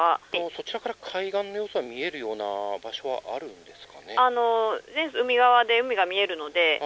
そちらから海岸の様子は見えるような場所は海側で海が見えるので。